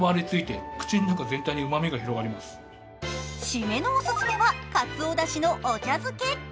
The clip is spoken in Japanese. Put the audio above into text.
締めのオススメはかつおだしのお茶漬け。